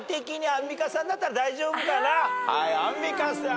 はいアンミカさん。